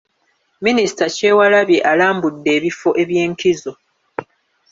Minisita Kyewalabye alambudde ebifo ebyenkizo.